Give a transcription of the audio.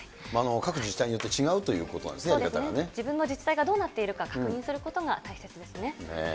各自治体によって違うという自分の自治体がどうなっているか、確認することが大切ですね。